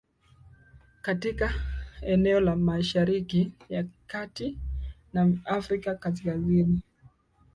katika eneo la mashariki ya kati na afrika kaskazini